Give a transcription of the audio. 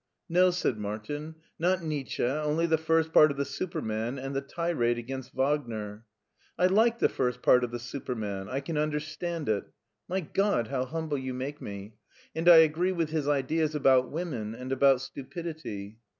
" No/' said Martin, " not Nietzsche, only the first part of the ' Superman ' and the tirade against Wagner. I like the first part of the * Superman '; I can under stand it — my God ! how humble you make me — and I agree with his ideas about women and about stupidity.